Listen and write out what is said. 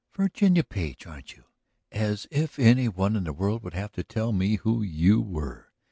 "Virginia Page, aren't you? As if any one in the world would have to tell me who you were!